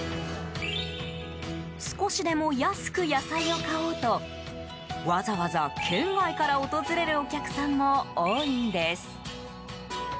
少しでも安く野菜を買おうとわざわざ県外から訪れるお客さんも多いんです。